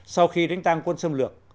sau khi đánh tăng quân xâm lược